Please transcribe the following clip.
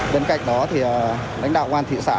bên cạnh đó thì lãnh đạo công an thị xã